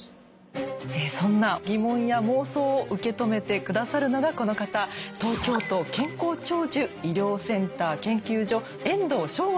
そんな疑問や妄想を受け止めて下さるのがこの方東京都健康長寿医療センター研究所遠藤昌吾さんです。